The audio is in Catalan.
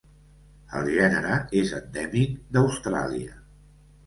El gènere és endèmic d'Austràlia.